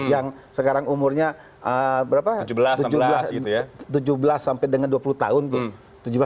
yang sekarang umurnya tujuh belas sampai dengan dua puluh tahun tuh